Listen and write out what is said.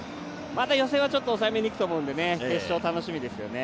予選は抑えめにいくと思うんで決勝、楽しみですよね。